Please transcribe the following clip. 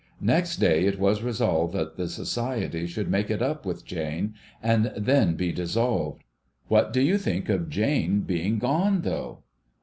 Next day, it was resolved that the Society should make it up with Jane, and then be dissolved. What do you think of Jane being gone, though